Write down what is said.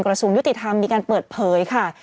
กระทรวงยุติธรรมมีการเปิดเผยค่ะ